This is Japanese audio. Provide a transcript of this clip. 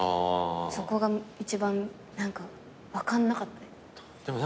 そこが一番分かんなかったです。